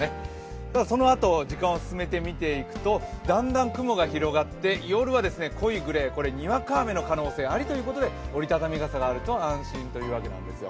ただそのあと時間を進めて見ていくとだんだん雲が広がって夜は濃いグレー、にわか雨の可能性ありということで、折り畳み傘があると安心というわけなんですよ。